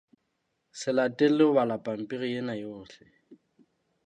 Se latelle ho bala pampiri ena yohle.